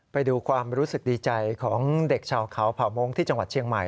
ไปดูความรู้สึกดีใจของเด็กชาวเขาเผ่าโม้งที่จังหวัดเชียงใหม่